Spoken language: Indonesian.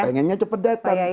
pengennya cepat datang